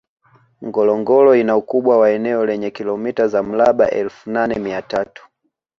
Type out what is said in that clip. Ngorongoro ina ukubwa wa eneo lenye kilomita za mraba elfu nane mia tatu